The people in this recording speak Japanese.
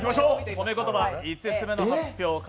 褒め言葉５つ目の発表。